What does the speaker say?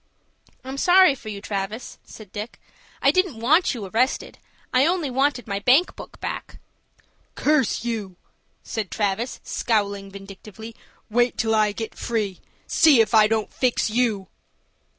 "I'm sorry for you, Travis," said Dick. "I didn't want you arrested. I only wanted my bank book back." "Curse you!" said Travis, scowling vindictively. "Wait till I get free. See if I don't fix you."